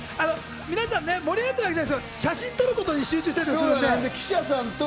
皆さん盛り上がってないわけじゃなくて、写真を撮ることに集中してるんですよね。